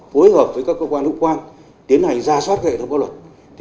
phối hợp với các cơ quan hữu quan tiến hành ra soát kệ thông báo luật